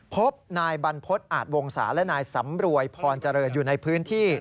พบนายบรรพฤษอาจวงศาและนายสำรวยพรเจริญอยู่ในพื้นที่